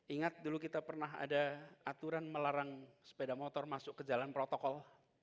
ingat dulu kita pernah ada aturan melarang sepeda motor masuk ke jalan protokol